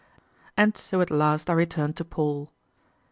And so at last I return to Paul.